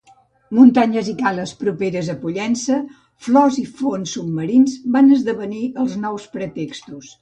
Muntanyes i cales properes a Pollença, flors i fons submarins van esdevenir els nous pretextos.